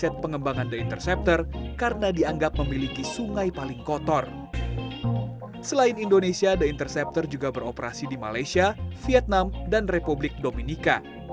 the interceptor juga beroperasi di malaysia vietnam dan republik dominika